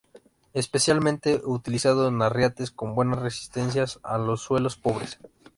Especialmente utilizado en arriates con buena resistencia a los suelos pobres.